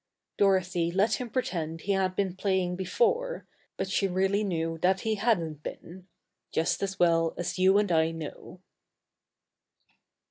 Dorothy let him pretend he had been playing before; but she really knew that he hadn't been just as well as you and I know.